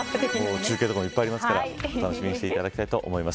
中継とかもいっぱいありますから、楽しみにしていただきたいと思います。